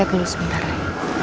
kita lihat dulu sebentar ya